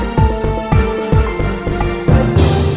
ก็อย่าตบกัน